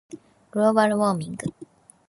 global warming